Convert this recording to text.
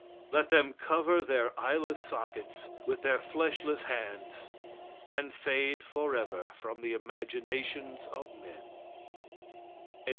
Let them cover their eyeless sockets with their fleshless hands, and fade forever from the imaginations of men.